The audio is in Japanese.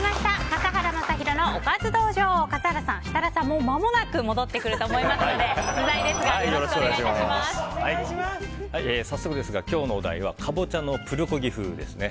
笠原さん、設楽さんはもうまもなく戻ってくると思いますので不在ですが早速ですが、今日のお題はカボチャのプルコギ風ですね。